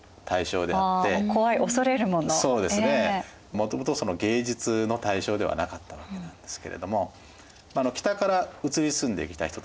もともと芸術の対象ではなかったわけなんですけれども北から移り住んできた人たちですね